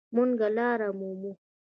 مونږ لاره مومو